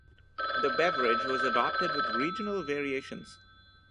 The beverage was adopted with regional variations.